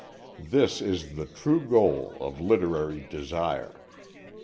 This is the true goal of literary desire.